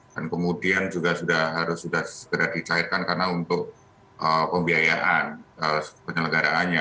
dan kemudian juga harus segera dicahitkan karena untuk pembiayaan penyelenggaraannya